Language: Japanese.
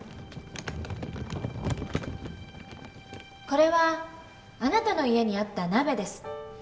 これはあなたの家にあった鍋です。